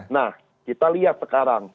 nah kita lihat sekarang